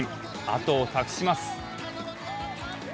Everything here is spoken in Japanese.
あとを託します。